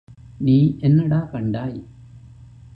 நீ என்னடா கண்டாய்?